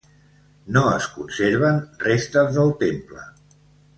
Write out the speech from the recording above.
No es conserven restes del temple.